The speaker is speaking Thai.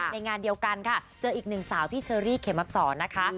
งานเดียวกันค่ะเจออีกหนึ่งสาวพี่เชอรี่เขมอับสอนนะคะ